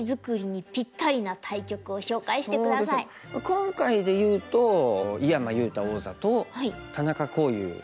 今回で言うと井山裕太王座と田中康湧四段かな。